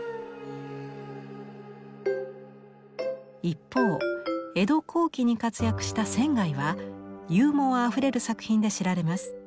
一方江戸後期に活躍した仙はユーモアあふれる作品で知られます。